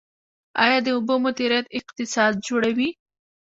آیا د اوبو مدیریت اقتصاد جوړوي؟